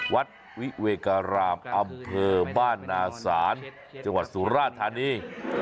วัดวิเวการามอำเภอบ้านนาศาลจังหวัดสุราธานี